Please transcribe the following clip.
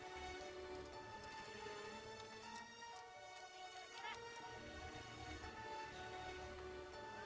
sisi tante coba kontak dia lewat handphonenya tapi mati terus